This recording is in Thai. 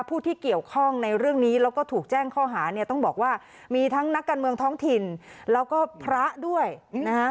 ผู้ที่เกี่ยวข้องในเรื่องนี้แล้วก็ถูกแจ้งข้อหาเนี่ยต้องบอกว่ามีทั้งนักการเมืองท้องถิ่นแล้วก็พระด้วยนะฮะ